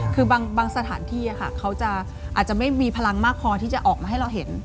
คือบางสถานที่เขาจะอาจจะไม่มีพลังมากพอที่จะออกมาให้เราเห็น